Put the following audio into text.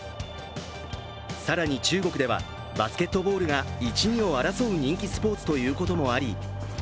更に中国ではバスケットボールが一、二を争う人気スポーツということもあり